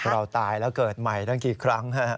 เราตายแล้วเกิดใหม่ตั้งกี่ครั้งฮะ